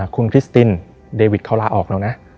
คุณคริสตินเดวิทเขาลาออกแล้วนะ